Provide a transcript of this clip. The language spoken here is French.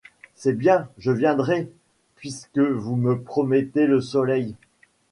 C'est bien, je viendrai, puisque vous me promettez le soleil.